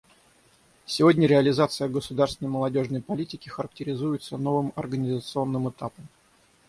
Сегодня реализация государственной молодежной политики характеризуется новым организационным этапом.